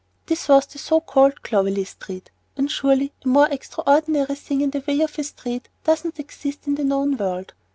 This was the so called "Clovelly Street," and surely a more extraordinary thing in the way of a street does not exist in the known world.